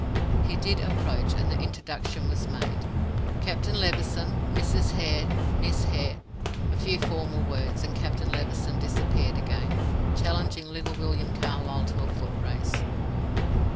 He did approach, and the introduction was made: "Captain Levison, Mrs. Hare and Miss Hare." A few formal words, and Captain Levison disappeared again, challenging little William Carlyle to a foot race.